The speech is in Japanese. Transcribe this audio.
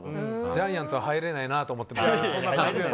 ジャイアンツは入れないなと思ってました。